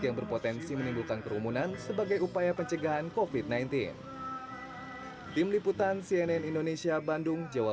yang berpotensi menimbulkan kerumunan sebagai upaya pencegahan covid sembilan belas